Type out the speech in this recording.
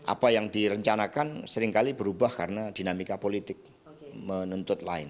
apa yang direncanakan seringkali berubah karena dinamika politik menuntut lain